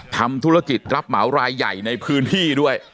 ทำธุรกิจรับเหมารายใหญ่ในพื้นที่ด้วย